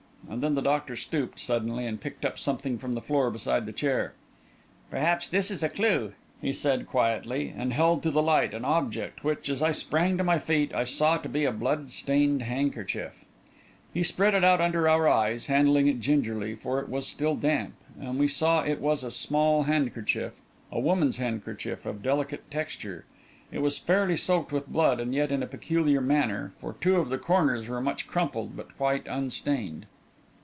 And then the doctor stooped suddenly and picked up something from the floor beside the chair. "Perhaps this is a clue," he said, quietly, and held to the light an object which, as I sprang to my feet, I saw to be a blood stained handkerchief. He spread it out under our eyes, handling it gingerly, for it was still damp, and we saw it was a small handkerchief a woman's handkerchief of delicate texture. It was fairly soaked with blood, and yet in a peculiar manner, for two of the corners were much crumpled but quite unstained.